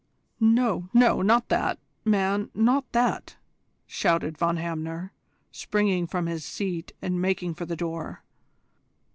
"No, no, not that, man, not that!" shouted Von Hamner, springing from his seat and making for the door.